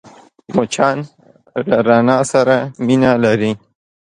مچان له رڼا سره مینه لري